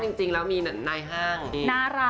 ซึ่งจริงแล้วมีหน้าทองส์ธนะ